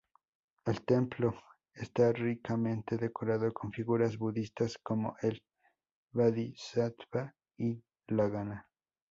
El templo está ricamente decorado con figuras budistas como el Bodhisattva y la gana.